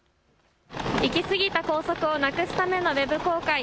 行きすぎた校則をなくすためのウェブ公開。